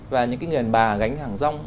và những cái người bà gánh hàng rong